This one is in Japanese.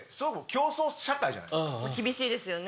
厳しいですよね。